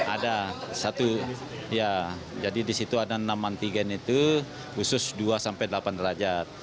ada satu ya jadi di situ ada enam antigen itu khusus dua delapan derajat